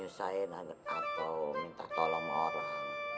menyesain atau minta tolong orang